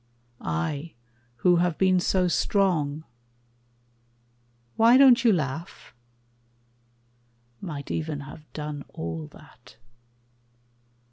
I, who have been so strong Why don't you laugh? might even have done all that.